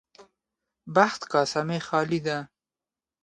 بخت کاسه مې خالي ده.